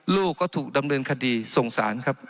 ลูกก็ถูกดำเนินคดีส่งสารครับ